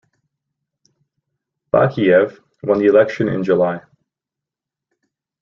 Bakiyev won the election in July.